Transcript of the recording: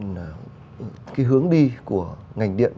về cái hướng đi của ngành điện